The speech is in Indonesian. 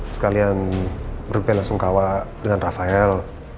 sekalian berbicara langsung kawak dengan rafael